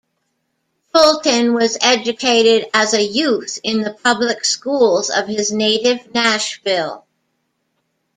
Fulton was educated as a youth in the public schools of his native Nashville.